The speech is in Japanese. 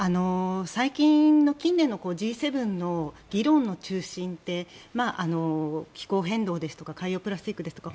近年のＧ７の議論の中心って気候変動ですとか海洋プラスチックですとか